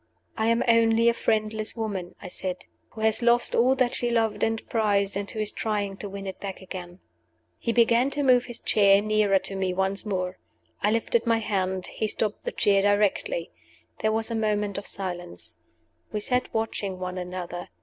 "I am only a friendless woman," I said, "who has lost all that she loved and prized, and who is trying to win it back again." He began to move his chair nearer to me once more. I lifted my hand. He stopped the chair directly. There was a moment of silence. We sat watching one another.